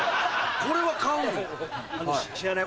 これは買うんや。